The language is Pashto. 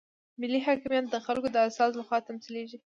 ملي حاکمیت د خلکو د استازو لخوا تمثیلیږي.